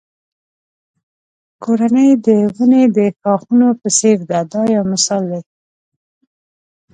کورنۍ د ونې د ښاخونو په څېر ده دا یو مثال دی.